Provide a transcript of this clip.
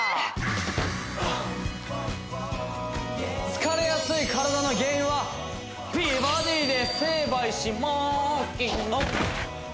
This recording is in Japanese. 疲れやすい体の原因は美バディで成敗しまーきの！